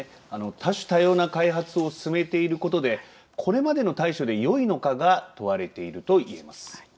多種多様な開発を進めていることでこれまでの対処でよいのかが問われているといえます。